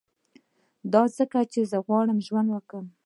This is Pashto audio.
دا ځکه چي زه غواړم ژوند وکړم